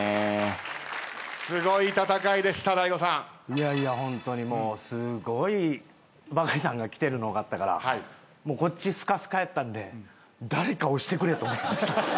いやいやホントにもうすごいバカリさんがきてるの分かったからもうこっちすかすかやったんで誰か押してくれと思いました。